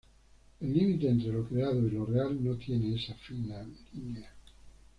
El límite entre lo creado y lo real no tiene esa fina línea".